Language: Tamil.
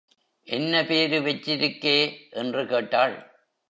என்ன பேரு வெச்சிருக்கே? என்று கேட்டாள்.